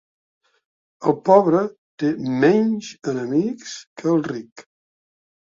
El pobre té menys enemics que el ric.